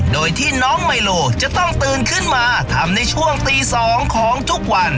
โดยที่น้องไมโลจะต้องตื่นขึ้นมาทำในช่วงตี๒ของทุกวัน